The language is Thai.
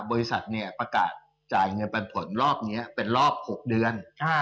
บริษัทเนี่ยประกาศจ่ายเงินปันผลรอบนี้เป็นรอบ๖เดือน